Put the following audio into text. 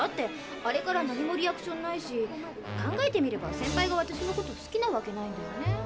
あれから何もリアクションないし考えてみればセンパイが私のこと好きなわけないんだよね。